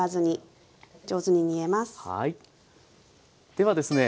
ではですね